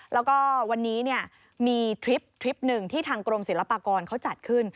แล้วก็วันนี้มีทริปหนึ่งที่ทางกรมศิลปากรเขาจัดขึ้น